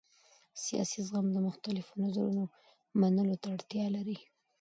سیاسي زغم د مختلفو نظرونو منلو ته اړتیا لري